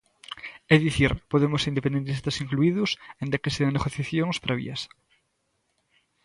É dicir, Podemos e independentistas incluídos, aínda que sen negociacións previas.